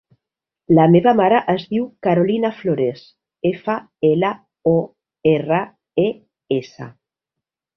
La meva mare es diu Carolina Flores: efa, ela, o, erra, e, essa.